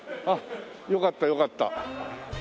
あっよかったよかった。